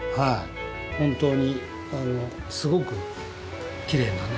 本当にすごくきれいなね